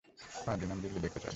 পাঁচ দিনে আমি দিল্লি দেখতে চাই।